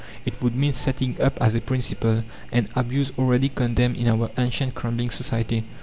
It would mean setting up as a principle an abuse already condemned in our ancient crumbling society.